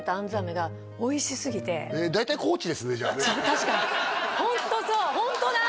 確かにホントそうホントだ！